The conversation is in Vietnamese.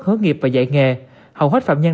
hướng nghiệp và dạy nghề hầu hết phạm nhân